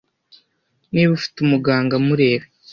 Niba ufite umuganga murebe